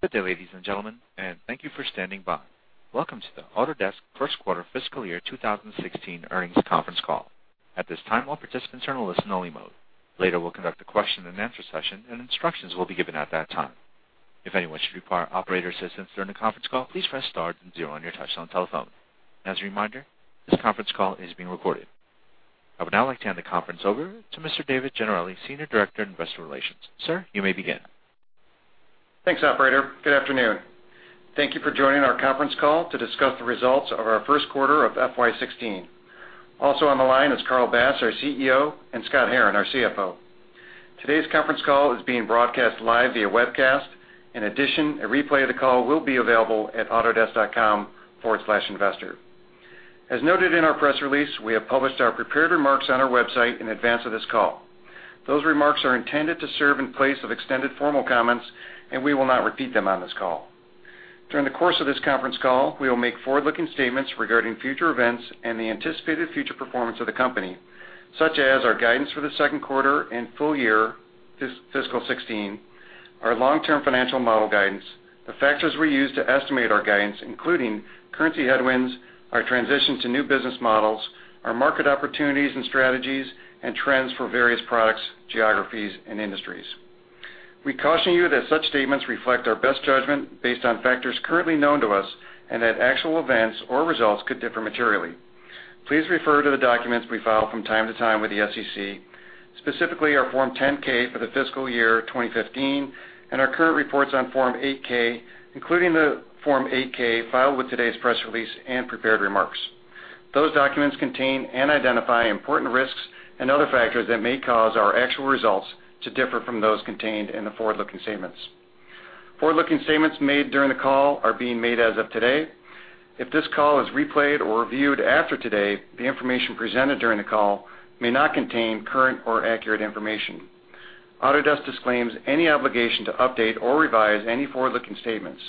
Good day, ladies and gentlemen. Thank you for standing by. Welcome to the Autodesk First Quarter Fiscal Year 2016 Earnings Conference Call. At this time, all participants are in a listen-only mode. Later, we'll conduct a question and answer session. Instructions will be given at that time. If anyone should require operator assistance during the conference call, please press star then zero on your touchtone telephone. As a reminder, this conference call is being recorded. I would now like to hand the conference over to Mr. David Gennarelli, Senior Director in Investor Relations. Sir, you may begin. Thanks, operator. Good afternoon. Thank you for joining our conference call to discuss the results of our first quarter of FY 2016. Also on the line is Carl Bass, our CEO, and Scott Herren, our CFO. Today's conference call is being broadcast live via webcast. In addition, a replay of the call will be available at autodesk.com/investor. As noted in our press release, we have published our prepared remarks on our website in advance of this call. Those remarks are intended to serve in place of extended formal comments. We will not repeat them on this call. During the course of this conference call, we will make forward-looking statements regarding future events and the anticipated future performance of the company, such as our guidance for the second quarter and full year fiscal 2016, our long-term financial model guidance, the factors we use to estimate our guidance, including currency headwinds, our transition to new business models, our market opportunities and strategies, and trends for various products, geographies, and industries. We caution you that such statements reflect our best judgment based on factors currently known to us. Actual events or results could differ materially. Please refer to the documents we file from time to time with the SEC, specifically our Form 10-K for the fiscal year 2015, and our current reports on Form 8-K, including the Form 8-K filed with today's press release and prepared remarks. Those documents contain and identify important risks and other factors that may cause our actual results to differ from those contained in the forward-looking statements. Forward-looking statements made during the call are being made as of today. If this call is replayed or reviewed after today, the information presented during the call may not contain current or accurate information. Autodesk disclaims any obligation to update or revise any forward-looking statements.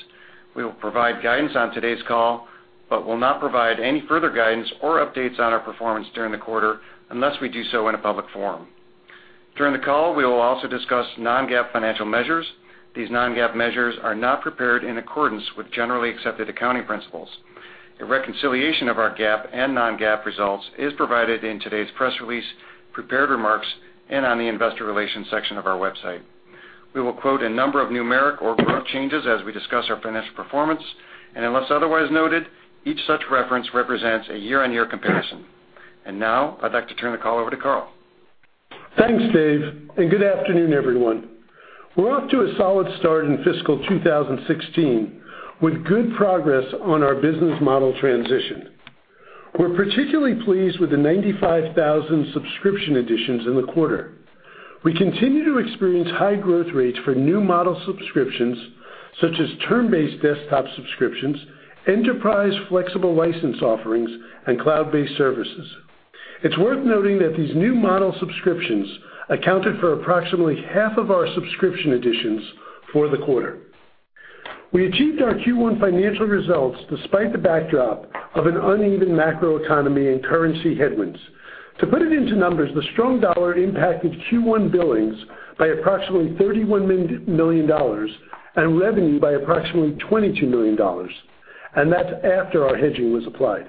We will provide guidance on today's call. We will not provide any further guidance or updates on our performance during the quarter unless we do so in a public forum. During the call, we will also discuss non-GAAP financial measures. These non-GAAP measures are not prepared in accordance with generally accepted accounting principles. A reconciliation of our GAAP and non-GAAP results is provided in today's press release, prepared remarks, and on the investor relations section of our website. We will quote a number of numeric or growth changes as we discuss our financial performance, and unless otherwise noted, each such reference represents a year-on-year comparison. Now, I'd like to turn the call over to Carl. Thanks, Dave, and good afternoon, everyone. We're off to a solid start in fiscal 2016 with good progress on our business model transition. We're particularly pleased with the 95,000 subscription additions in the quarter. We continue to experience high growth rates for new model subscriptions, such as term-based desktop subscriptions, enterprise flexible license offerings, and cloud-based services. It's worth noting that these new model subscriptions accounted for approximately half of our subscription additions for the quarter. We achieved our Q1 financial results despite the backdrop of an uneven macroeconomy and currency headwinds. To put it into numbers, the strong dollar impacted Q1 billings by approximately $31 million and revenue by approximately $22 million. That's after our hedging was applied.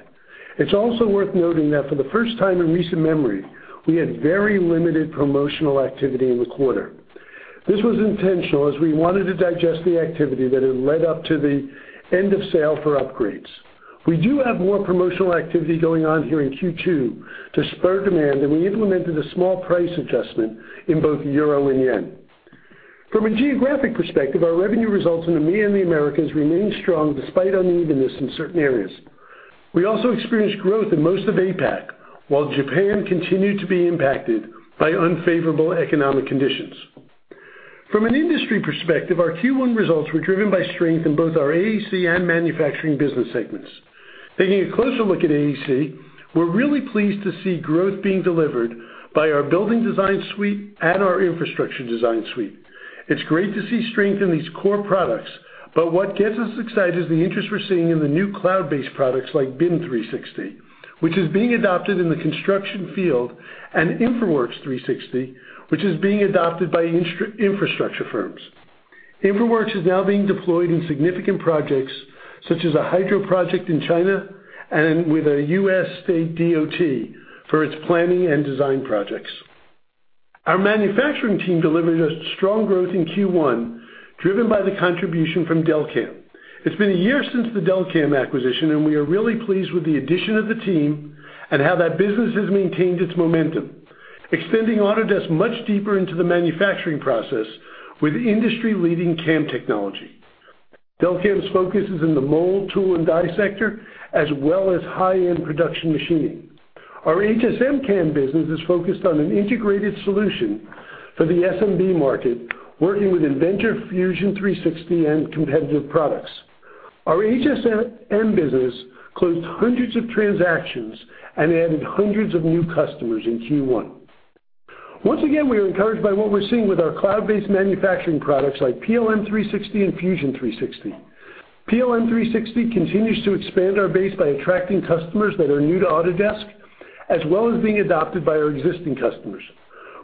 It's also worth noting that for the first time in recent memory, we had very limited promotional activity in the quarter. This was intentional as we wanted to digest the activity that had led up to the end of sale for upgrades. We do have more promotional activity going on here in Q2 to spur demand, and we implemented a small price adjustment in both euro and yen. From a geographic perspective, our revenue results in EMEA and the Americas remained strong despite unevenness in certain areas. We also experienced growth in most of APAC, while Japan continued to be impacted by unfavorable economic conditions. From an industry perspective, our Q1 results were driven by strength in both our AEC and manufacturing business segments. Taking a closer look at AEC, we're really pleased to see growth being delivered by our Building Design Suite and our Infrastructure Design Suite. It's great to see strength in these core products, but what gets us excited is the interest we're seeing in the new cloud-based products like BIM 360, which is being adopted in the construction field, and InfraWorks 360, which is being adopted by infrastructure firms. InfraWorks is now being deployed in significant projects such as a hydro project in China and with a U.S. state DOT for its planning and design projects. Our manufacturing team delivered us strong growth in Q1, driven by the contribution from Delcam. It's been a year since the Delcam acquisition, and we are really pleased with the addition of the team and how that business has maintained its momentum, extending Autodesk much deeper into the manufacturing process with industry-leading CAM technology. Delcam's focus is in the mold, tool, and die sector, as well as high-end production machining. Our HSM CAM business is focused on an integrated solution for the SMB market, working with Inventor, Fusion 360, and competitive products. Our HSM business closed hundreds of transactions and added hundreds of new customers in Q1. Once again, we are encouraged by what we're seeing with our cloud-based manufacturing products like PLM 360 and Fusion 360. PLM 360 continues to expand our base by attracting customers that are new to Autodesk, as well as being adopted by our existing customers.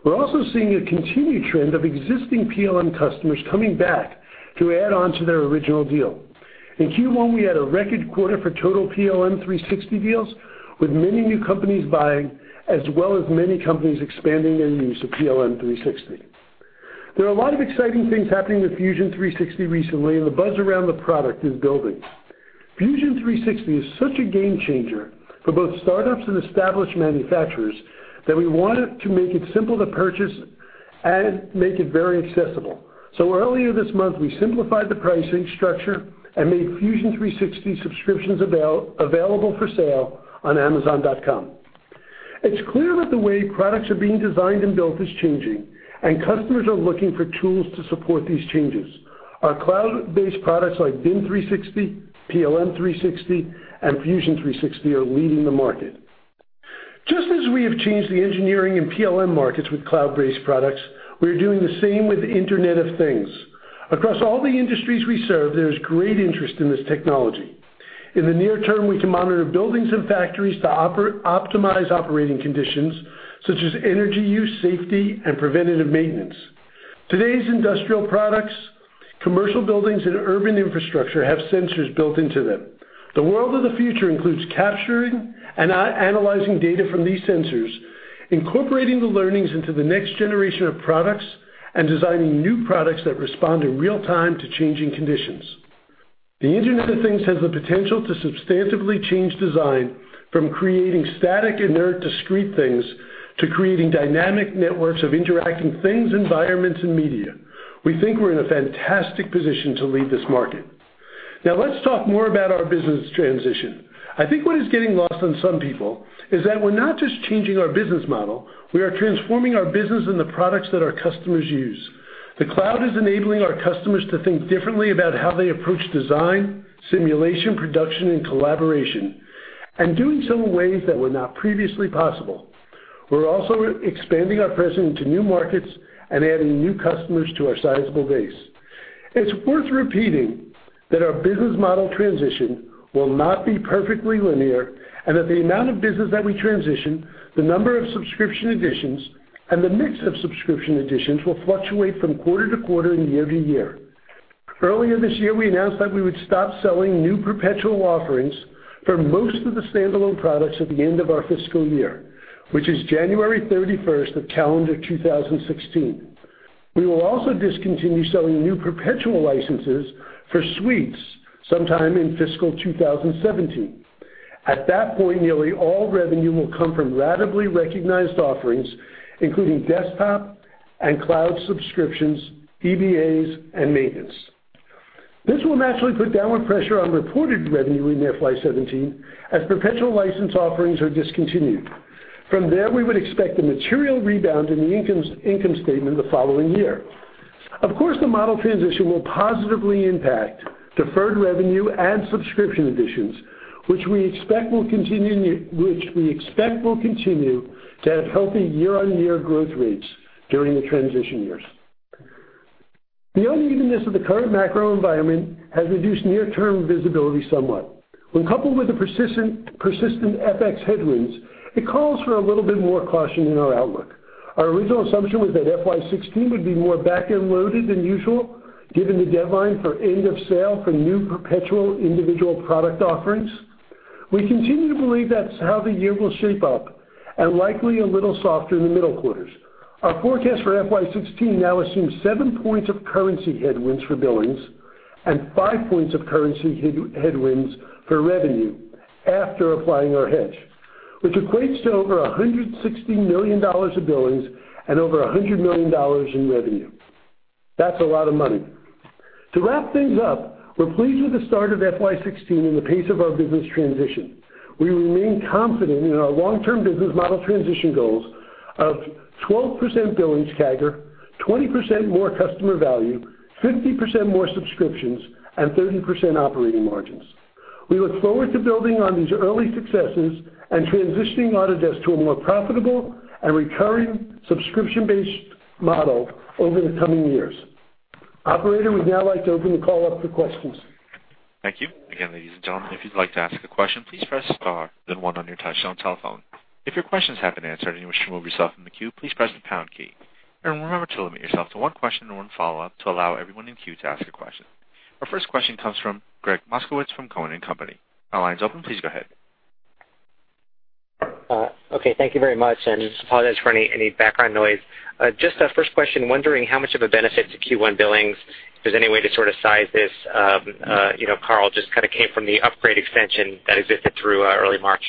We're also seeing a continued trend of existing PLM customers coming back to add on to their original deal. In Q1, we had a record quarter for total PLM 360 deals, with many new companies buying, as well as many companies expanding their use of PLM 360. There are a lot of exciting things happening with Fusion 360 recently, and the buzz around the product is building. Fusion 360 is such a game changer for both startups and established manufacturers that we wanted to make it simple to purchase and make it very accessible. Earlier this month, we simplified the pricing structure and made Fusion 360 subscriptions available for sale on Amazon.com. It's clear that the way products are being designed and built is changing, and customers are looking for tools to support these changes. Our cloud-based products like BIM 360, PLM 360, and Fusion 360 are leading the market. Just as we have changed the engineering and PLM markets with cloud-based products, we are doing the same with the Internet of Things. Across all the industries we serve, there is great interest in this technology. In the near term, we can monitor buildings and factories to optimize operating conditions such as energy use, safety, and preventative maintenance. Today's industrial products, commercial buildings, and urban infrastructure have sensors built into them. The world of the future includes capturing and analyzing data from these sensors, incorporating the learnings into the next generation of products, and designing new products that respond in real time to changing conditions. The Internet of Things has the potential to substantively change design from creating static, inert, discrete things to creating dynamic networks of interacting things, environments, and media. We think we're in a fantastic position to lead this market. Now let's talk more about our business transition. I think what is getting lost on some people is that we're not just changing our business model, we are transforming our business and the products that our customers use. The cloud is enabling our customers to think differently about how they approach design, simulation, production, and collaboration, and do in some ways that were not previously possible. We're also expanding our presence into new markets and adding new customers to our sizable base. It's worth repeating that our business model transition will not be perfectly linear, and that the amount of business that we transition, the number of subscription additions, and the mix of subscription additions will fluctuate from quarter to quarter and year to year. Earlier this year, we announced that we would stop selling new perpetual offerings for most of the standalone products at the end of our fiscal year, which is January 31st of calendar 2016. We will also discontinue selling new perpetual licenses for suites sometime in fiscal 2017. At that point, nearly all revenue will come from ratably recognized offerings, including desktop and cloud subscriptions, EBAs, and maintenance. This will naturally put downward pressure on reported revenue in FY 2017 as perpetual license offerings are discontinued. From there, we would expect a material rebound in the income statement the following year. Of course, the model transition will positively impact deferred revenue and subscription additions, which we expect will continue to have healthy year-over-year growth rates during the transition years. The unevenness of the current macro environment has reduced near-term visibility somewhat. When coupled with the persistent FX headwinds, it calls for a little bit more caution in our outlook. Our original assumption was that FY 2016 would be more back-end loaded than usual, given the deadline for end of sale for new perpetual individual product offerings. We continue to believe that's how the year will shape up and likely a little softer in the middle quarters. Our forecast for FY 2016 now assumes 7 points of currency headwinds for billings and 5 points of currency headwinds for revenue after applying our hedge, which equates to over $160 million of billings and over $100 million in revenue. That's a lot of money. To wrap things up, we're pleased with the start of FY 2016 and the pace of our business transition. We remain confident in our long-term business model transition goals of 12% billings CAGR, 20% more customer value, 50% more subscriptions, and 30% operating margins. We look forward to building on these early successes and transitioning Autodesk to a more profitable and recurring subscription-based model over the coming years. Operator, we'd now like to open the call up for questions. Thank you. Again, ladies and gentlemen, if you'd like to ask a question, please press star then one on your touchtone telephone. If your question has been answered and you wish to remove yourself from the queue, please press the pound key. Remember to limit yourself to 1 question and 1 follow-up to allow everyone in queue to ask a question. Our first question comes from Gregg Moskowitz from Cowen and Company. Our line's open. Please go ahead. Okay. Thank you very much. Apologize for any background noise. Just a first question, wondering how much of a benefit to Q1 billings, if there's any way to size this, Carl, just came from the upgrade extension that existed through early March.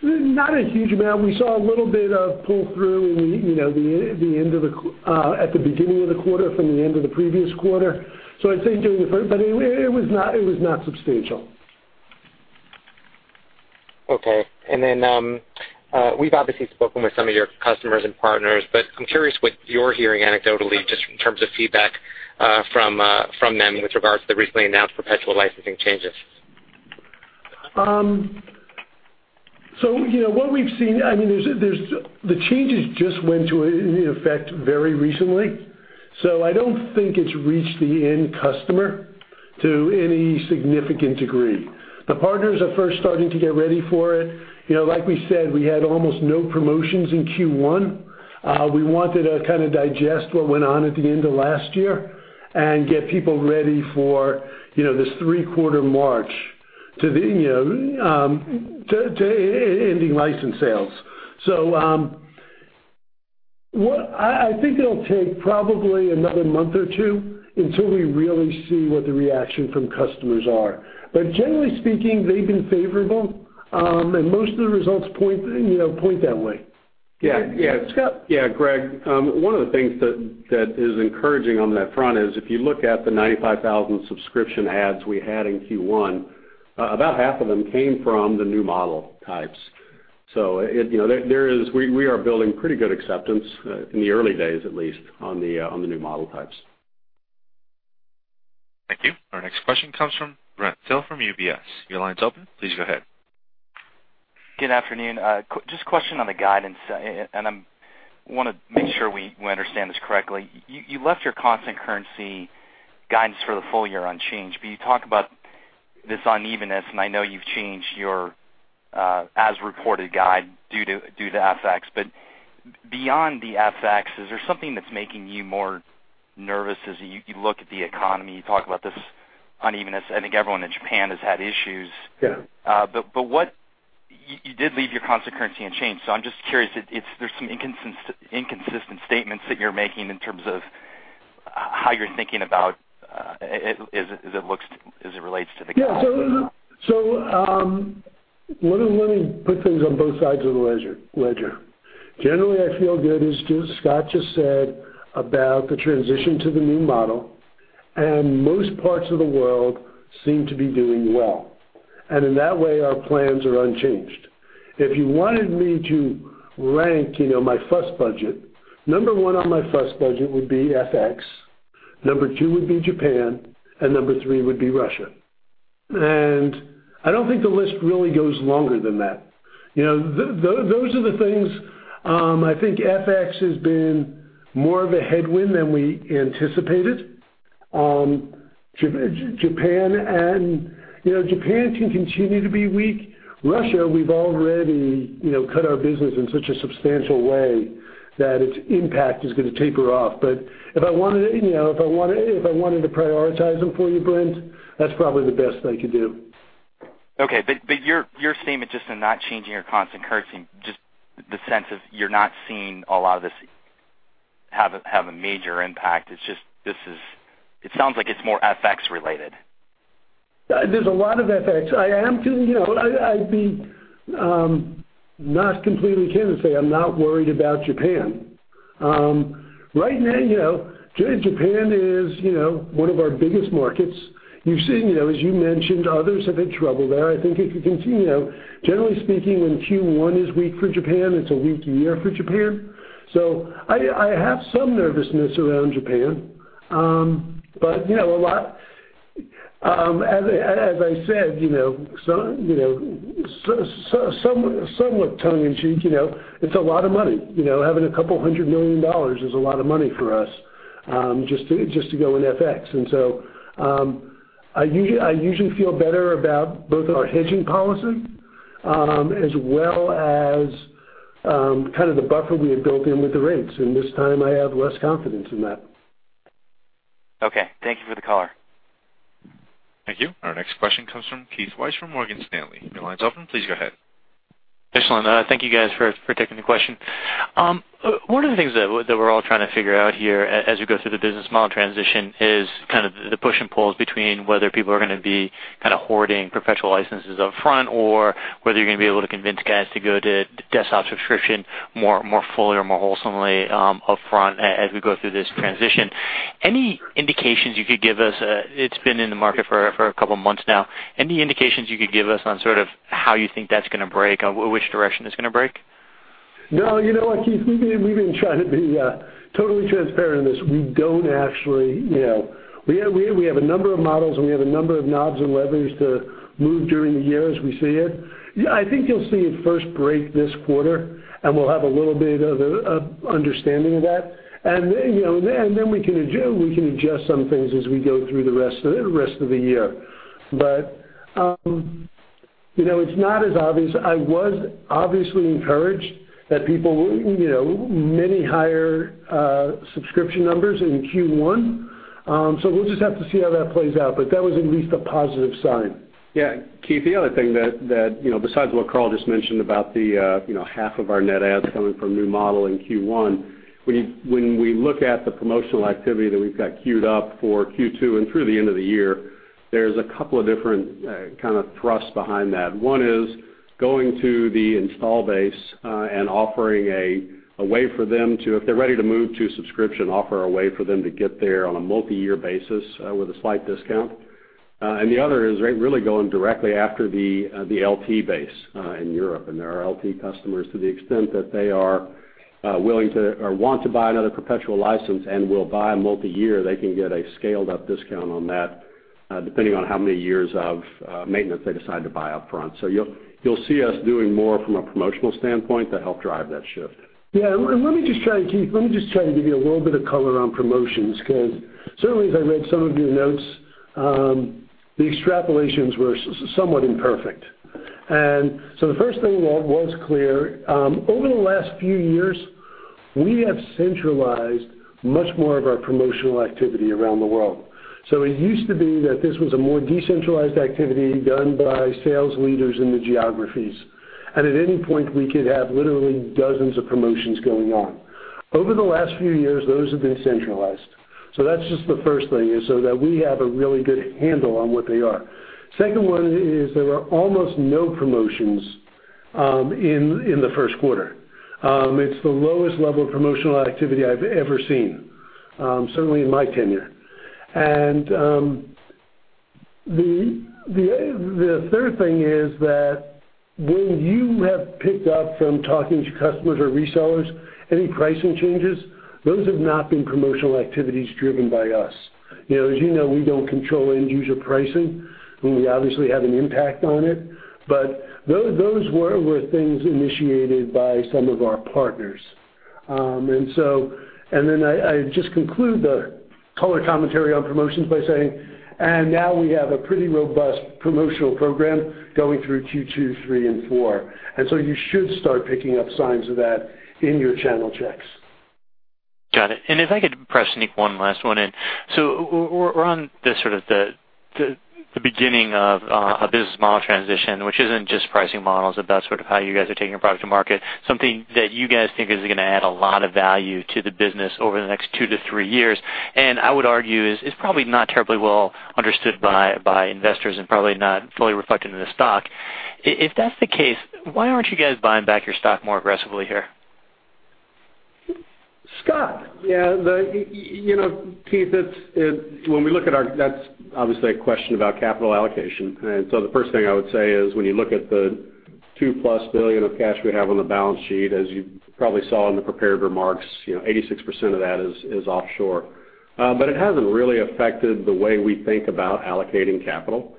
Not a huge amount. We saw a little bit of pull-through at the beginning of the quarter from the end of the previous quarter. I'd say during the first, but it was not substantial. Okay. We've obviously spoken with some of your customers and partners, I'm curious what you're hearing anecdotally just in terms of feedback from them with regards to the recently announced perpetual licensing changes. What we've seen, the changes just went into effect very recently. I don't think it's reached the end customer to any significant degree. The partners are first starting to get ready for it. Like we said, we had almost no promotions in Q1. We wanted to kind of digest what went on at the end of last year and get people ready for this three-quarter march to ending license sales. I think it'll take probably another month or two until we really see what the reaction from customers are. Generally speaking, they've been favorable, and most of the results point that way. Yeah. Scott? Yeah, Gregg. One of the things that is encouraging on that front is if you look at the 95,000 subscription adds we had in Q1, about half of them came from the new model types. So we are building pretty good acceptance in the early days, at least, on the new model types. Thank you. Our next question comes from Brent Thill from UBS. Your line's open. Please go ahead. Good afternoon. Just a question on the guidance, I want to make sure we understand this correctly. You left your constant currency guidance for the full year unchanged, You talk about this unevenness, I know you've changed your as-reported guide due to FX. Beyond the FX, is there something that's making you more nervous as you look at the economy? You talk about this unevenness. I think everyone in Japan has had issues. Yeah. You did leave your constant currency unchanged, I'm just curious if there's some inconsistent statements that you're making in terms of how you're thinking about as it relates to the- Let me put things on both sides of the ledger. Generally, I feel good, as Scott just said, about the transition to the new model, in that way, our plans are unchanged. If you wanted me to rank my fuss budget, number 1 on my fuss budget would be FX, number 2 would be Japan, and number 3 would be Russia. I don't think the list really goes longer than that. Those are the things. I think FX has been more of a headwind than we anticipated. Japan can continue to be weak. Russia, we've already cut our business in such a substantial way that its impact is going to taper off. If I wanted to prioritize them for you, Brent, that's probably the best I could do. Okay. Your statement just in not changing your constant currency, just the sense of you're not seeing a lot of this have a major impact. It sounds like it's more FX related. There's a lot of FX. I'd be not completely candid to say I'm not worried about Japan. Right now, Japan is one of our biggest markets. You've seen, as you mentioned, others have had trouble there. I think if you continue, generally speaking, when Q1 is weak for Japan, it's a weak year for Japan. I have some nervousness around Japan. As I said, somewhat tongue in cheek, it's a lot of money. Having $200 million is a lot of money for us, just to go in FX. I usually feel better about both our hedging policy, as well as kind of the buffer we had built in with the rents. This time, I have less confidence in that. Okay. Thank you for the color. Thank you. Our next question comes from Keith Weiss from Morgan Stanley. Your line's open. Please go ahead. Excellent. Thank you guys for taking the question. One of the things that we're all trying to figure out here as we go through the business model transition is kind of the push and pulls between whether people are going to be kind of hoarding perpetual licenses up front, or whether you're going to be able to convince guys to go to desktop subscription more fully or more wholesomely up front as we go through this transition. It's been in the market for a couple of months now. Any indications you could give us on sort of how you think that's going to break, which direction it's going to break? No. You know what, Keith? We've been trying to be totally transparent in this. We have a number of models. We have a number of knobs and levers to move during the year as we see it. I think you'll see it first break this quarter. We'll have a little bit of an understanding of that. Then we can adjust some things as we go through the rest of the year. It's not as obvious. I was obviously encouraged that many higher subscription numbers in Q1. We'll just have to see how that plays out, but that was at least a positive sign. Yeah. Keith, the other thing that, besides what Carl just mentioned about the half of our net adds coming from new model in Q1, when we look at the promotional activity that we've got queued up for Q2 and through the end of the year, there's a couple of different kind of thrusts behind that. One is going to the install base and offering a way for them to, if they're ready to move to subscription, offer a way for them to get there on a multi-year basis with a slight discount. The other is really going directly after the LT base in Europe, and there are LT customers to the extent that they are willing to or want to buy another perpetual license and will buy a multi-year, they can get a scaled-up discount on that depending on how many years of maintenance they decide to buy upfront. You'll see us doing more from a promotional standpoint to help drive that shift. Yeah. Let me just try to give you a little bit of color on promotions, because certainly, as I read some of your notes, the extrapolations were somewhat imperfect. The first thing was clear. Over the last few years, we have centralized much more of our promotional activity around the world. It used to be that this was a more decentralized activity done by sales leaders in the geographies, and at any point, we could have literally dozens of promotions going on. Over the last few years, those have been centralized. That's just the first thing is so that we have a really good handle on what they are. Second one is there are almost no promotions in the first quarter. It's the lowest level of promotional activity I've ever seen, certainly in my tenure. The third thing is that when you have picked up from talking to customers or resellers, any pricing changes, those have not been promotional activities driven by us. As you know, we don't control end-user pricing. We obviously have an impact on it, but those were things initiated by some of our partners. Then I just conclude the color commentary on promotions by saying, and now we have a pretty robust promotional program going through Q2, three, and four. You should start picking up signs of that in your channel checks. Got it. If I could perhaps sneak one last one in. We're on the sort of beginning of a business model transition, which isn't just pricing models, about sort of how you guys are taking a product to market, something that you guys think is going to add a lot of value to the business over the next two to three years. I would argue, is probably not terribly well understood by investors and probably not fully reflected in the stock. If that's the case, why aren't you guys buying back your stock more aggressively here? Scott. Yeah. Keith. That's obviously a question about capital allocation. The first thing I would say is when you look at the $2-plus billion of cash we have on the balance sheet, as you probably saw in the prepared remarks, 86% of that is offshore. It hasn't really affected the way we think about allocating capital.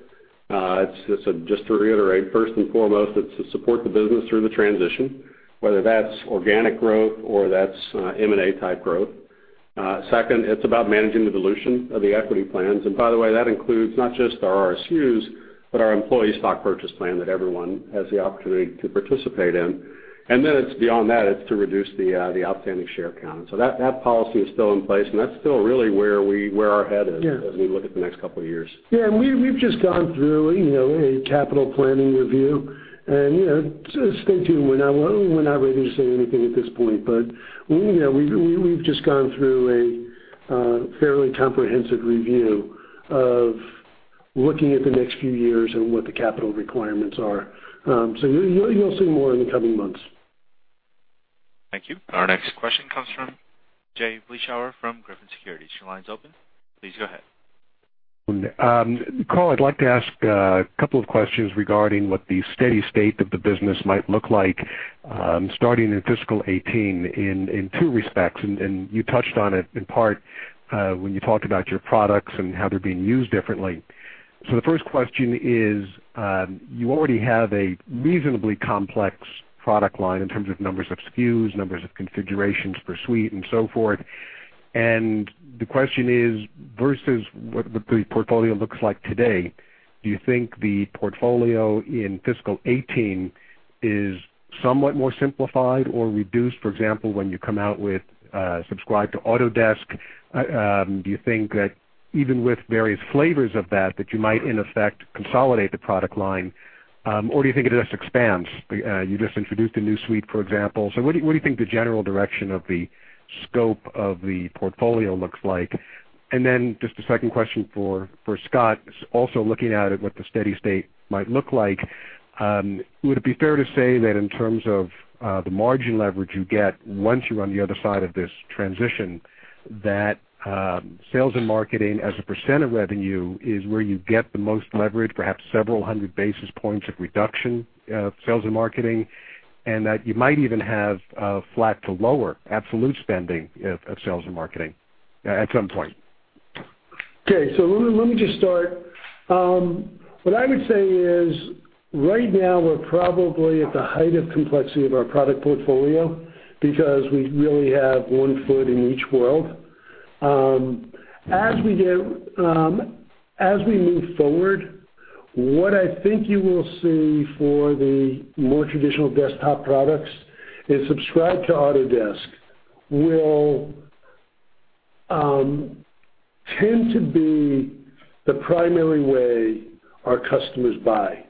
Just to reiterate, first and foremost, it's to support the business through the transition, whether that's organic growth or that's M&A type growth. Second, it's about managing the dilution of the equity plans. That includes not just our RSUs, but our employee stock purchase plan that everyone has the opportunity to participate in. It's beyond that, it's to reduce the outstanding share count. That policy is still in place, and that's still really where our head is. Yeah As we look at the next couple of years. Yeah, we've just gone through a capital planning review and stay tuned. We're not ready to say anything at this point. We've just gone through a fairly comprehensive review of looking at the next few years and what the capital requirements are. You'll see more in the coming months. Thank you. Our next question comes from Jay Vleeschhouwer from Griffin Securities. Your line is open. Please go ahead. Carl, I'd like to ask a couple of questions regarding what the steady state of the business might look like starting in fiscal 2018 in two respects, and you touched on it in part when you talked about your products and how they're being used differently. The first question is, you already have a reasonably complex product line in terms of numbers of SKUs, numbers of configurations per suite and so forth. The question is, versus what the portfolio looks like today, do you think the portfolio in fiscal 2018 is somewhat more simplified or reduced? For example, when you come out with Subscribe to Autodesk, do you think that even with various flavors of that you might in effect consolidate the product line? Do you think it just expands? You just introduced a new suite, for example. What do you think the general direction of the scope of the portfolio looks like? Then just a second question for Scott, also looking at it, what the steady state might look like. Would it be fair to say that in terms of the margin leverage you get once you're on the other side of this transition, that sales and marketing as a percent of revenue is where you get the most leverage, perhaps several hundred basis points of reduction of sales and marketing, and that you might even have flat to lower absolute spending of sales and marketing at some point? Let me just start. What I would say is right now, we're probably at the height of complexity of our product portfolio because we really have one foot in each world. As we move forward, what I think you will see for the more traditional desktop products is Subscribe to Autodesk will tend to be the primary way our customers buy.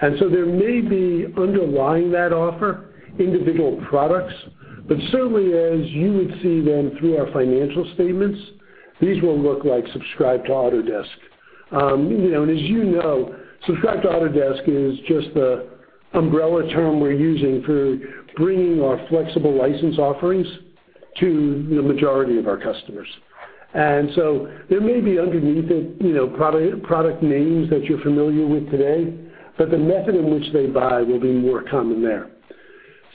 There may be underlying that offer individual products, but certainly as you would see then through our financial statements, these will look like Subscribe to Autodesk. As you know, Subscribe to Autodesk is just the umbrella term we're using for bringing our flexible license offerings to the majority of our customers. There may be underneath it product names that you're familiar with today, but the method in which they buy will be more common there.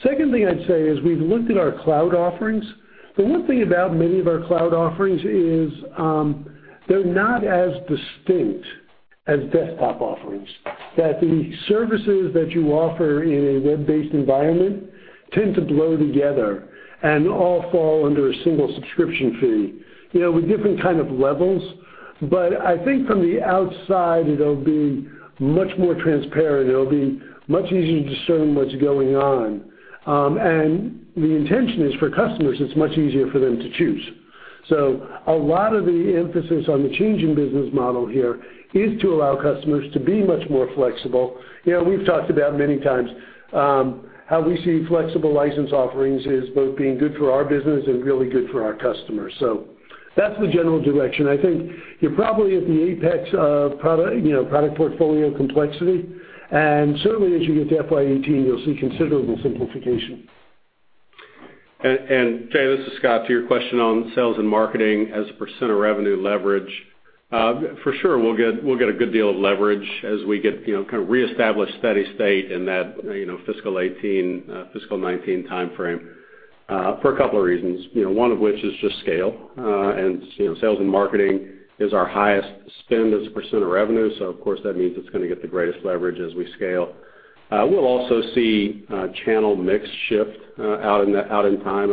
Second thing I'd say is we've looked at our cloud offerings. The one thing about many of our cloud offerings is they're not as distinct as desktop offerings. That the services that you offer in a web-based environment tend to blur together and all fall under a single subscription fee, with different kind of levels. I think from the outside, it'll be much more transparent, and it'll be much easier to discern what's going on. The intention is for customers, it's much easier for them to choose. A lot of the emphasis on the changing business model here is to allow customers to be much more flexible. We've talked about many times, how we see flexible license offerings as both being good for our business and really good for our customers. That's the general direction. I think you're probably at the apex of product portfolio complexity, and certainly as you get to FY 2018, you'll see considerable simplification. Jay, this is Scott. To your question on sales and marketing as a percent of revenue leverage. For sure, we'll get a good deal of leverage as we get, kind of reestablish steady state in that fiscal 2018, fiscal 2019 timeframe, for a couple of reasons. One of which is just scale. Sales and marketing is our highest spend as a percent of revenue, so of course, that means it's going to get the greatest leverage as we scale. We'll also see channel mix shift out in time.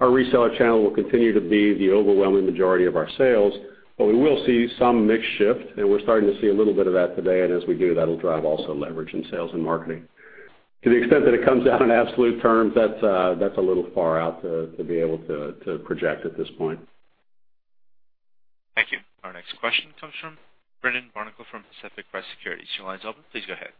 Our reseller channel will continue to be the overwhelming majority of our sales, but we will see some mix shift, and we're starting to see a little bit of that today. As we do, that'll drive also leverage in sales and marketing. To the extent that it comes down in absolute terms, that's a little far out to be able to project at this point. Thank you. Our next question comes from Brendan Barnicle from Pacific Crest Securities. Your line's open. Please go ahead.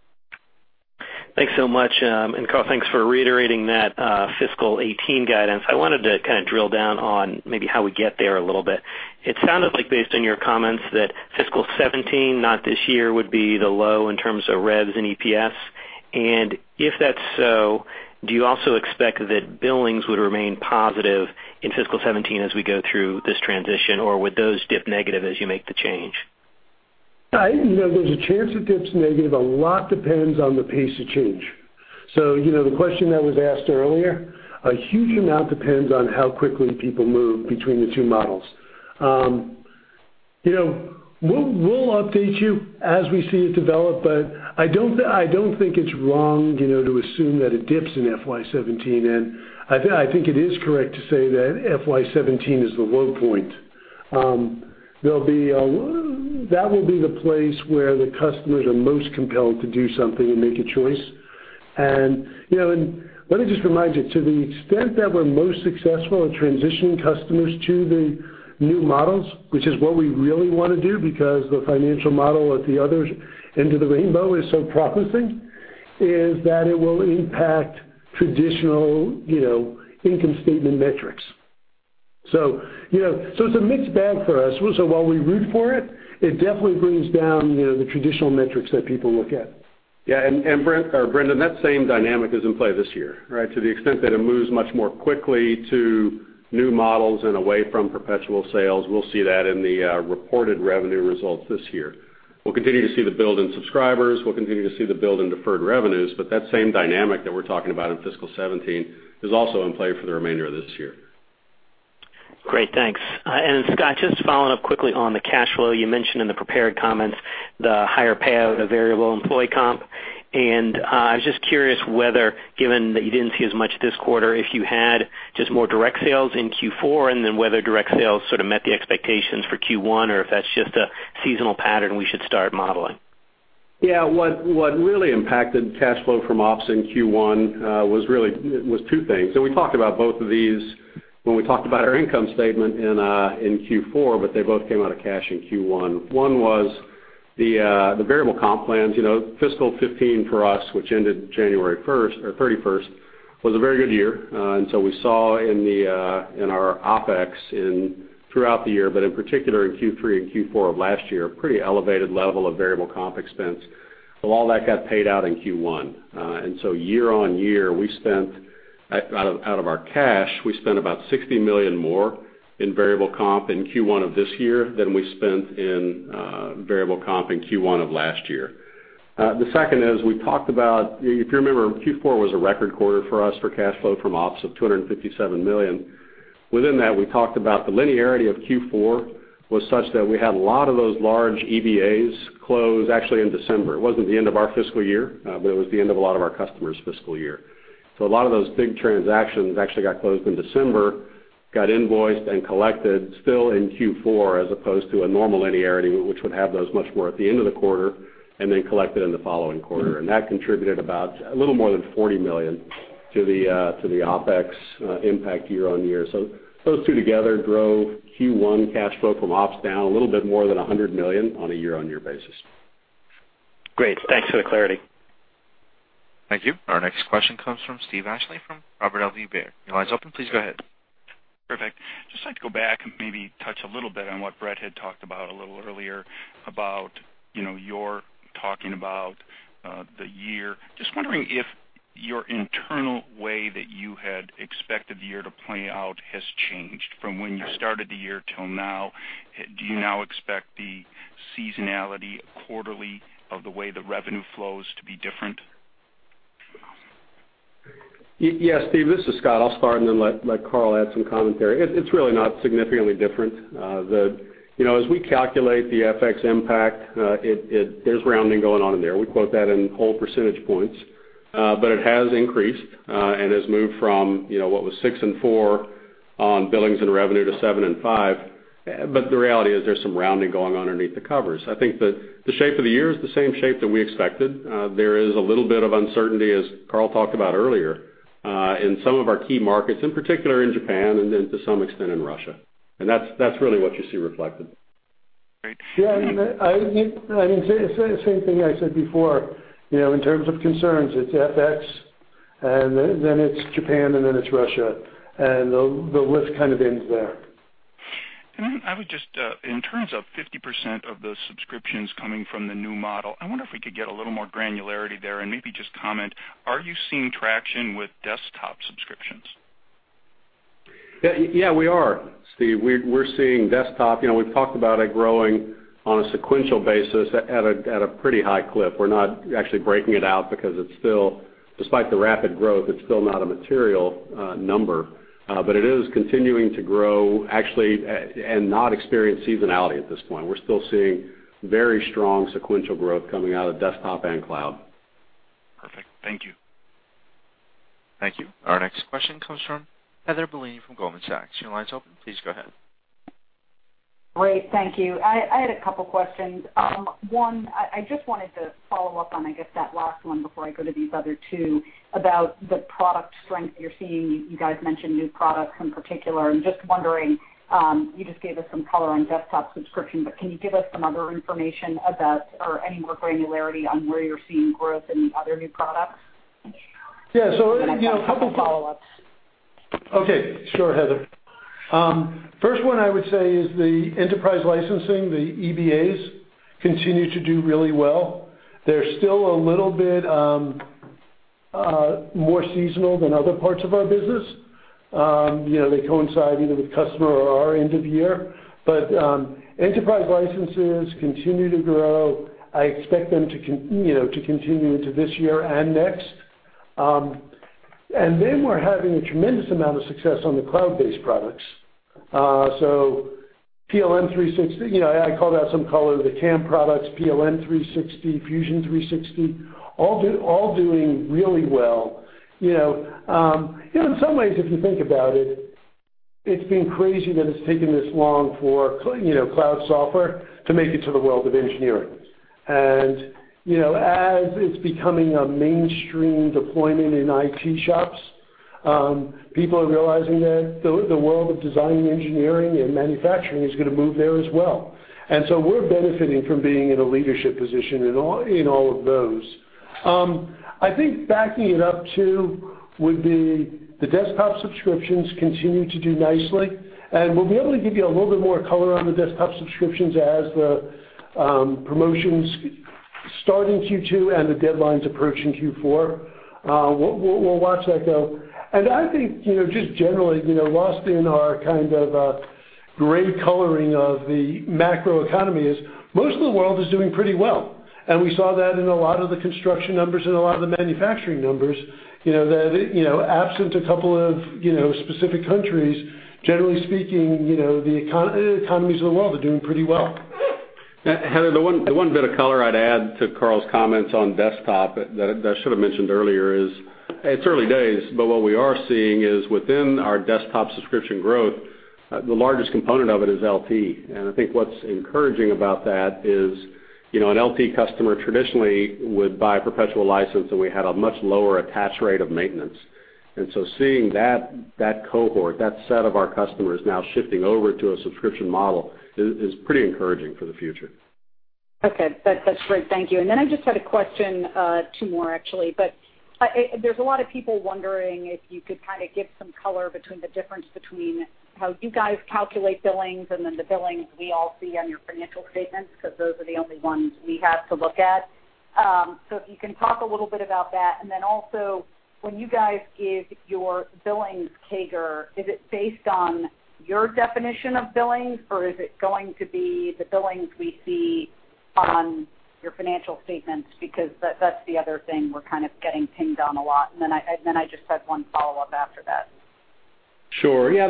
Thanks so much, Carl, thanks for reiterating that fiscal 2018 guidance. I wanted to kind of drill down on maybe how we get there a little bit. It sounded like based on your comments, that fiscal 2017, not this year, would be the low in terms of revs and EPS. If that's so, do you also expect that billings would remain positive in fiscal 2017 as we go through this transition, or would those dip negative as you make the change? There's a chance it dips negative. A lot depends on the pace of change. The question that was asked earlier, a huge amount depends on how quickly people move between the two models. We'll update you as we see it develop, but I don't think it's wrong to assume that it dips in FY 2017. I think it is correct to say that FY 2017 is the low point. That will be the place where the customers are most compelled to do something and make a choice. Let me just remind you, to the extent that we're most successful in transitioning customers to the new models, which is what we really want to do because the financial model at the others end of the rainbow is so promising, is that it will impact traditional income statement metrics. It's a mixed bag for us. While we root for it definitely brings down the traditional metrics that people look at. Yeah. Brendan, that same dynamic is in play this year, right? To the extent that it moves much more quickly to new models and away from perpetual sales, we'll see that in the reported revenue results this year. We'll continue to see the build in subscribers, we'll continue to see the build in deferred revenues, but that same dynamic that we're talking about in fiscal 2017 is also in play for the remainder of this year. Great, thanks. Scott Herren, just following up quickly on the cash flow. You mentioned in the prepared comments the higher payout of variable employee comp, and I was just curious whether, given that you didn't see as much this quarter, if you had just more direct sales in Q4, and then whether direct sales sort of met the expectations for Q1, or if that's just a seasonal pattern we should start modeling. What really impacted cash flow from ops in Q1 was two things. We talked about both of these when we talked about our income statement in Q4, but they both came out of cash in Q1. One was the variable comp plans. Fiscal 2015 for us, which ended January 31st, was a very good year. We saw in our OPEX throughout the year, but in particular in Q3 and Q4 of last year, a pretty elevated level of variable comp expense. All that got paid out in Q1. Year-on-year, out of our cash, we spent about $60 million more in variable comp in Q1 of this year than we spent in variable comp in Q1 of last year. The second is, we talked about, if you remember, Q4 was a record quarter for us for cash flow from ops of $257 million. Within that, we talked about the linearity of Q4 was such that we had a lot of those large EBAs close actually in December. It wasn't the end of our fiscal year, but it was the end of a lot of our customers' fiscal year. A lot of those big transactions actually got closed in December, got invoiced and collected still in Q4, as opposed to a normal linearity, which would have those much more at the end of the quarter and then collected in the following quarter. That contributed about a little more than $40 million to the OPEX impact year-on-year. Those two together drove Q1 cash flow from ops down a little bit more than $100 million on a year-on-year basis. Great. Thanks for the clarity. Thank you. Our next question comes from Steve Ashley from Robert W. Baird. Your line's open. Please go ahead. Perfect. Just like to go back and maybe touch a little bit on what Brent had talked about a little earlier, about your talking about the year. Just wondering if your internal way that you had expected the year to play out has changed from when you started the year till now. Do you now expect the seasonality quarterly of the way the revenue flows to be different? Yes, Steve, this is Scott. I'll start and then let Carl add some commentary. It's really not significantly different. As we calculate the FX impact, there's rounding going on in there. We quote that in whole percentage points. It has increased, and has moved from what was six and four on billings and revenue to seven and five. The reality is there's some rounding going on underneath the covers. I think that the shape of the year is the same shape that we expected. There is a little bit of uncertainty, as Carl talked about earlier, in some of our key markets, in particular in Japan and then to some extent in Russia. That's really what you see reflected. Yeah. Same thing I said before, in terms of concerns, it's FX, and then it's Japan, and then it's Russia. The list kind of ends there. I would just-- In terms of 50% of the subscriptions coming from the new model, I wonder if we could get a little more granularity there and maybe just comment, are you seeing traction with desktop subscriptions? Yeah, we are, Steve. We're seeing desktop. We've talked about it growing on a sequential basis at a pretty high clip. We're not actually breaking it out because it's still, despite the rapid growth, it's still not a material number. It is continuing to grow, actually, and not experience seasonality at this point. We're still seeing very strong sequential growth coming out of desktop and cloud. Perfect. Thank you. Thank you. Our next question comes from Heather Bellini from Goldman Sachs. Your line's open. Please go ahead. Great. Thank you. I had a couple questions. One, I just wanted to follow up on, I guess, that last one before I go to these other two about the product strength you're seeing. You guys mentioned new products in particular. I'm just wondering, you just gave us some color on desktop subscription, but can you give us some other information about, or any more granularity on where you're seeing growth in other new products? Yeah. I've got some follow-ups. Okay. Sure, Heather. First one I would say is the enterprise licensing, the EBAs, continue to do really well. They're still a little bit more seasonal than other parts of our business. They coincide either with customer or our end of the year. Enterprise licenses continue to grow. I expect them to continue into this year and next. We're having a tremendous amount of success on the cloud-based products. PLM 360. I called out some color, the CAM products, PLM 360, Fusion 360, all doing really well. In some ways, if you think about it's been crazy that it's taken this long for cloud software to make it to the world of engineering. As it's becoming a mainstream deployment in IT shops, people are realizing that the world of design engineering and manufacturing is going to move there as well. We're benefiting from being in a leadership position in all of those. I think backing it up too would be the desktop subscriptions continue to do nicely, and we'll be able to give you a little bit more color on the desktop subscriptions as the promotions start in Q2 and the deadlines approach in Q4. We'll watch that, though. I think, just generally, lost in our kind of gray coloring of the macroeconomy is most of the world is doing pretty well. We saw that in a lot of the construction numbers and a lot of the manufacturing numbers, that absent a couple of specific countries, generally speaking, the economies of the world are doing pretty well. Heather, the one bit of color I'd add to Carl's comments on desktop that I should've mentioned earlier is it's early days, but what we are seeing is within our desktop subscription growth, the largest component of it is LT. I think what's encouraging about that is an LT customer traditionally would buy a perpetual license, and we had a much lower attach rate of maintenance. Seeing that cohort, that set of our customers now shifting over to a subscription model is pretty encouraging for the future. Okay. That's great. Thank you. I just had a question, two more actually, but there's a lot of people wondering if you could kind of give some color between the difference between how you guys calculate billings and then the billings we all see on your financial statements, because those are the only ones we have to look at. If you can talk a little bit about that, and then also when you guys give your billings CAGR, is it based on your definition of billings, or is it going to be the billings we see on your financial statements? That's the other thing we're kind of getting pinged on a lot. I just had one follow-up after that. Sure. Yeah.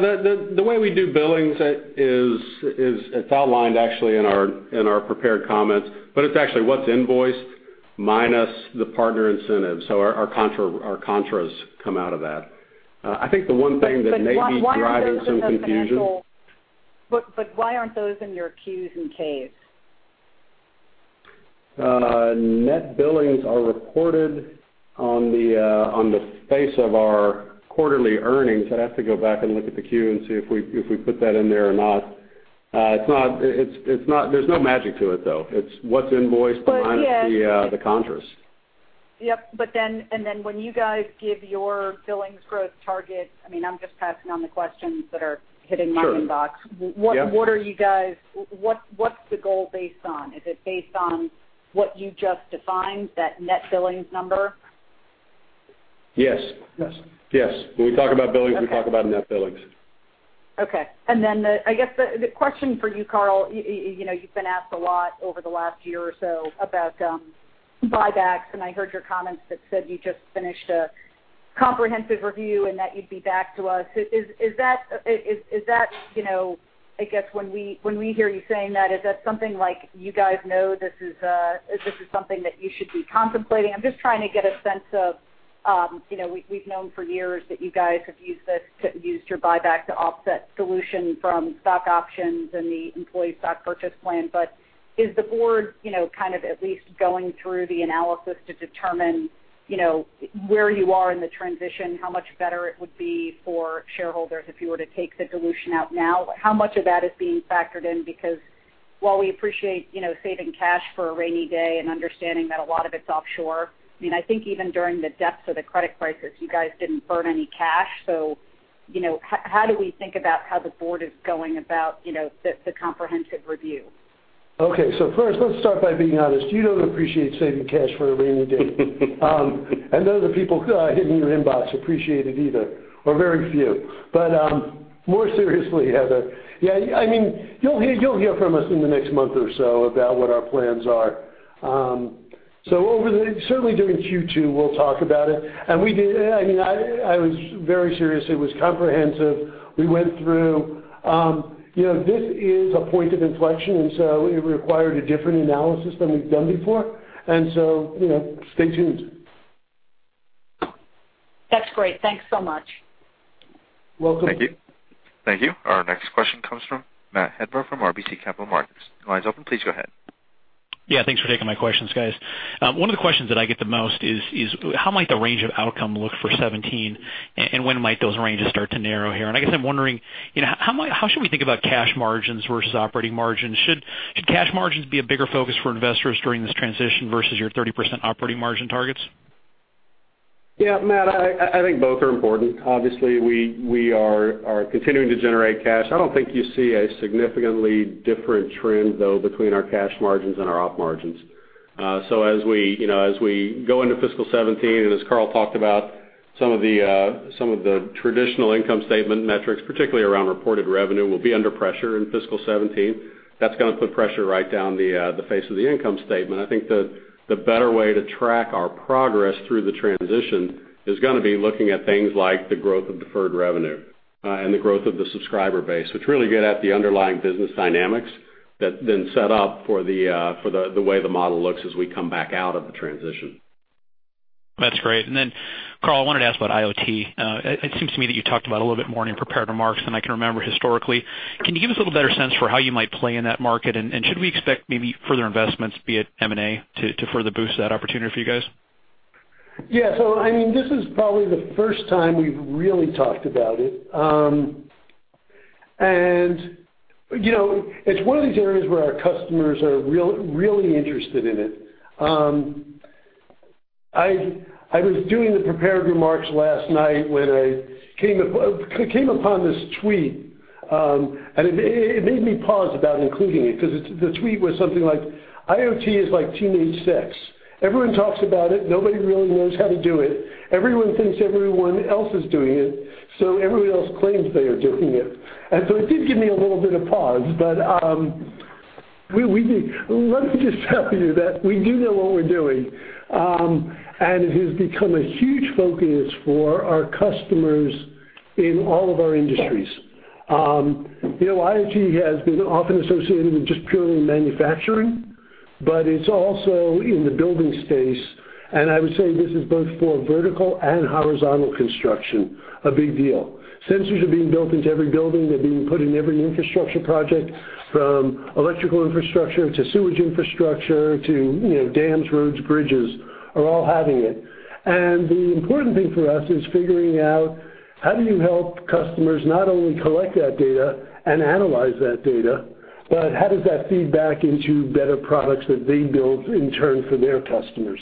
The way we do billings is it's outlined actually in our prepared comments, but it's actually what's invoiced minus the partner incentives. Our contras come out of that. I think the one thing that may be driving some confusion- Why aren't those in your Qs and Ks? Net billings are reported on the face of our quarterly earnings. I'd have to go back and look at the Q and see if we put that in there or not. There's no magic to it, though. It's what's invoiced minus the contras. Yep. When you guys give your billings growth target, I'm just passing on the questions that are hitting my inbox. Sure. Yeah. What's the goal based on? Is it based on what you just defined, that net billings number? Yes. Yes. Yes. When we talk about billings. Okay we talk about net billings. Okay. I guess the question for you, Carl, you've been asked a lot over the last year or so about buybacks, and I heard your comments that said you just finished a comprehensive review and that you'd be back to us. I guess when we hear you saying that, is that something like you guys know this is something that you should be contemplating? I'm just trying to get a sense of, we've known for years that you guys have used your buyback to offset dilution from stock options and the employee stock purchase plan. Is the board at least going through the analysis to determine where you are in the transition, how much better it would be for shareholders if you were to take the dilution out now? How much of that is being factored in? While we appreciate saving cash for a rainy day and understanding that a lot of it's offshore, I think even during the depths of the credit crisis, you guys didn't burn any cash. How do we think about how the board is going about the comprehensive review? Okay. First, let's start by being honest. You don't appreciate saving cash for a rainy day. None of the people hidden in your inbox appreciate it either, or very few. More seriously, Heather, you'll hear from us in the next month or so about what our plans are. Certainly during Q2, we'll talk about it. I was very serious. It was comprehensive. We went through. This is a point of inflection, and so it required a different analysis than we've done before, and so stay tuned. That's great. Thanks so much. Welcome. Thank you. Our next question comes from Matt Hedberg from RBC Capital Markets. Your line is open. Please go ahead. Yeah, thanks for taking my questions, guys. One of the questions that I get the most is how might the range of outcome look for 2017, and when might those ranges start to narrow here? I guess I'm wondering, how should we think about cash margins versus operating margins? Should cash margins be a bigger focus for investors during this transition versus your 30% operating margin targets? Yeah, Matt, I think both are important. Obviously, we are continuing to generate cash. I don't think you see a significantly different trend, though, between our cash margins and our op margins. As we go into fiscal 2017, and as Carl talked about, some of the traditional income statement metrics, particularly around reported revenue, will be under pressure in fiscal 2017. That's going to put pressure right down the face of the income statement. I think the better way to track our progress through the transition is going to be looking at things like the growth of deferred revenue and the growth of the subscriber base, which really get at the underlying business dynamics that then set up for the way the model looks as we come back out of the transition. That's great. Carl, I wanted to ask about IoT. It seems to me that you talked about a little bit more in your prepared remarks than I can remember historically. Can you give us a little better sense for how you might play in that market? Should we expect maybe further investments, be it M&A, to further boost that opportunity for you guys? Yeah. This is probably the first time we've really talked about it. It's one of these areas where our customers are really interested in it. I was doing the prepared remarks last night when I came upon this tweet, and it made me pause about including it because the tweet was something like, "IoT is like teenage sex. Everyone talks about it. Nobody really knows how to do it. Everyone thinks everyone else is doing it, so everybody else claims they are doing it." It did give me a little bit of pause. Let me just tell you that we do know what we're doing, and it has become a huge focus for our customers in all of our industries. IoT has been often associated with just purely manufacturing, it's also in the building space, and I would say this is both for vertical and horizontal construction, a big deal. Sensors are being built into every building. They're being put in every infrastructure project, from electrical infrastructure to sewage infrastructure to dams, roads, bridges, are all having it. The important thing for us is figuring out how do you help customers not only collect that data and analyze that data, but how does that feed back into better products that they build in turn for their customers?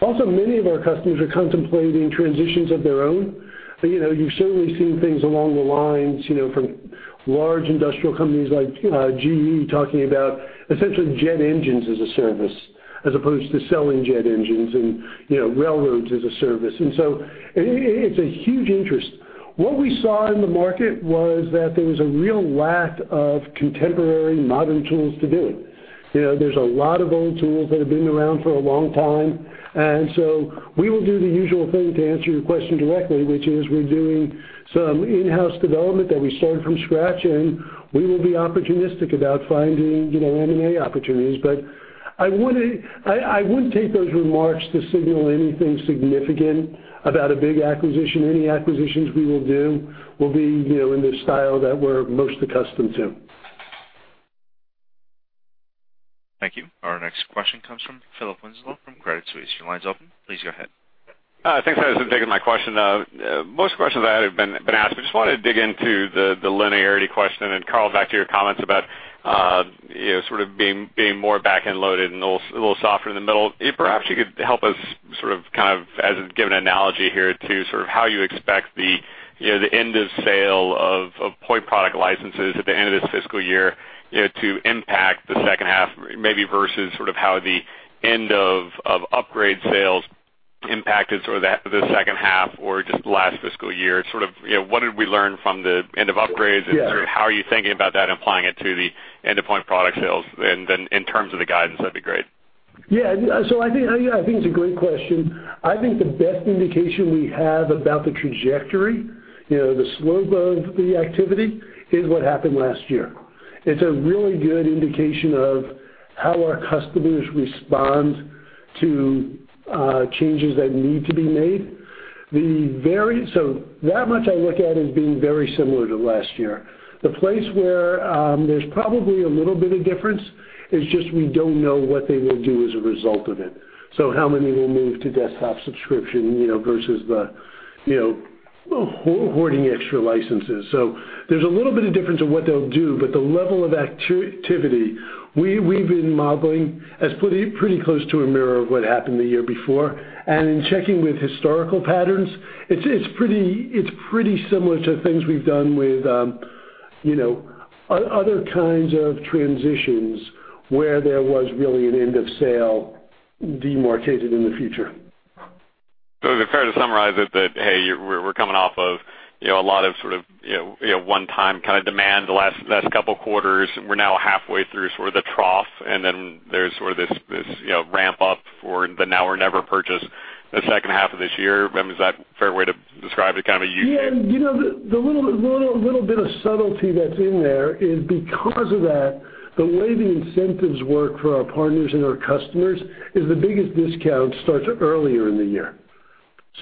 Also, many of our customers are contemplating transitions of their own. You've certainly seen things along the lines from large industrial companies like GE talking about essentially jet engines as a service as opposed to selling jet engines, and railroads as a service. It's a huge interest. What we saw in the market was that there was a real lack of contemporary, modern tools to do it. There's a lot of old tools that have been around for a long time. We will do the usual thing to answer your question directly, which is we're doing some in-house development that we started from scratch, and we will be opportunistic about finding M&A opportunities. I wouldn't take those remarks to signal anything significant about a big acquisition. Any acquisitions we will do will be in the style that we're most accustomed to. Thank you. Our next question comes from Philip Winslow from Credit Suisse. Your line is open. Please go ahead. Thanks, guys, for taking my question. Most questions have been asked, but just wanted to dig into the linearity question. Carl, back to your comments about sort of being more back-end loaded and a little softer in the middle. If perhaps you could help us sort of, kind of as a given analogy here to sort of how you expect the end of sale of point product licenses at the end of this fiscal year to impact the second half maybe versus sort of how the end of upgrade sales impacted sort of the second half or just last fiscal year. Sort of what did we learn from the end of upgrades- Yeah sort of how are you thinking about that, applying it to the endpoint product sales and then in terms of the guidance, that'd be great. Yeah. I think it's a great question. I think the best indication we have about the trajectory, the slope of the activity, is what happened last year. It's a really good indication of how our customers respond to changes that need to be made. That much I look at as being very similar to last year. The place where there's probably a little bit of difference is just we don't know what they will do as a result of it. How many will move to desktop subscription versus the hoarding extra licenses. There's a little bit of difference of what they'll do, but the level of activity we've been modeling as pretty close to a mirror of what happened the year before. In checking with historical patterns, it's pretty similar to things we've done with other kinds of transitions where there was really an end of sale demarcated in the future. Is it fair to summarize it that, hey, we're coming off of a lot of sort of one-time kind of demand the last couple of quarters, and we're now halfway through sort of the trough, and then there's sort of this ramp up for the now or never purchase the second half of this year? Is that a fair way to describe the kind of U-shape? Yeah. The little bit of subtlety that's in there is because of that, the way the incentives work for our partners and our customers is the biggest discount starts earlier in the year.